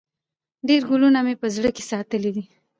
ډېر کلونه مي په زړه کي دی ساتلی